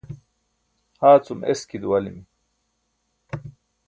haa cum eski duwalila